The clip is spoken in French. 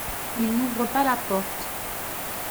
Il n’ouvre pas la porte.